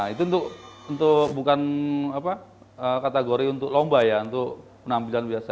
itu untuk bukan kategori untuk lomba ya untuk penampilan biasa